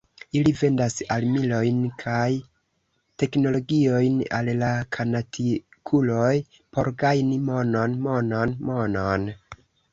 Ili vendas armilojn kaj teknologiojn, al la fanatikuloj, por gajni monon, monon, monon.